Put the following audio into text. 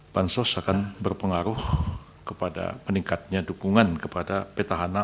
bahan sos akan berpengaruh kepada peningkatnya dukungan kepada petahana